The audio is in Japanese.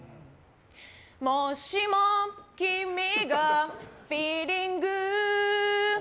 もしも、君がフィーリングー！